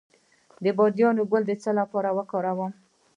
د بادیان ګل د څه لپاره وکاروم؟